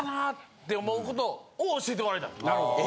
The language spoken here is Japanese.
なるほど。